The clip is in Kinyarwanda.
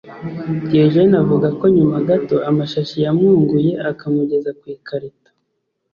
Diogene avuga ko nyuma gato amashashi yamwunguye akamugeza ku ikarito